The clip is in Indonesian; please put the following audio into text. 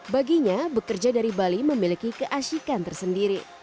baginya bekerja dari bali memiliki keasikan tersendiri